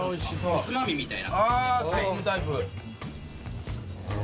おつまみみたいな感じで。